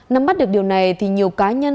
năm mắt được điều này thì nhiều cá nhân